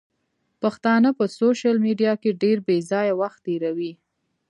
پښتانه په سوشل ميډيا کې ډېر بېځايه وخت تيروي.